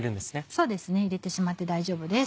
そうですね入れてしまって大丈夫です。